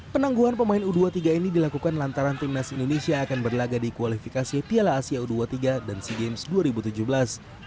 penangguhan pemain u dua puluh tiga ini dilakukan lantaran timnas indonesia akan berlaga di kualifikasi piala asia u dua puluh tiga dan sea games dua ribu tujuh belas